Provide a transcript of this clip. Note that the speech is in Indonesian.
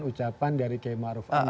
ucapan dari km arof